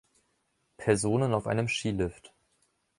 Personen auf einem Skilift.